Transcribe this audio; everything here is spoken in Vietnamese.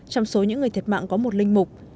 trong số những người thiệt mạng có một linh mục